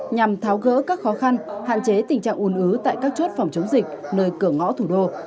nhằm tháo gỡ các khó khăn hạn chế tình trạng ủn ứ tại các chốt phòng chống dịch nơi cửa ngõ thủ đô